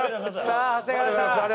さあ長谷川さん